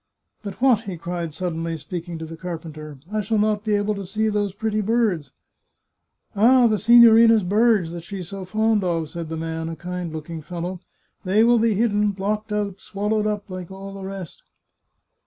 " But what," he cried suddenly, speaking to the carpenter, " I shall not be able to see those pretty birds !"" Ah, the signorina's birds, that she's so fond of," said the man, a kind looking fellow. They will be hidden, blocked out, swallowed up, like all the rest."